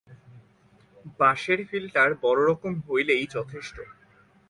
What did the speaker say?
বাঁশের ফিল্টার বড় রকম হইলেই যথেষ্ট।